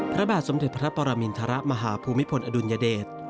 พระบาทสมเด็จพระปรมินทรมาหาภูมิพลอดุลยเดช